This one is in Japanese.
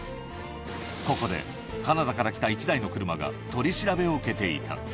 ここでカナダから来た１台の車が取り調べを受けていた。